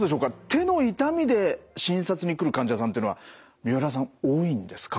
手の痛みで診察に来る患者さんっていうのは三浦さん多いんですか？